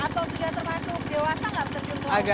atau sudah termasuk dewasa nggak terbentuk